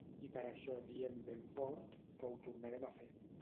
I per això diem ben fort que Ho tornarem a fer.